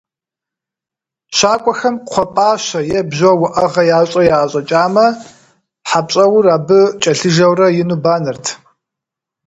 ЩакӀуэхэм кхъуэ пӀащэ е бжьо уӀэгъэ ящӀрэ яӀэщӀэкӀамэ, хьэпщӀэур абы кӀэлъыжэурэ, ину банэрт.